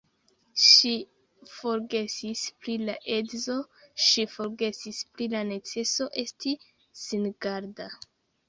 Ŝi forgesis pri la edzo, ŝi forgesis pri la neceso esti singarda.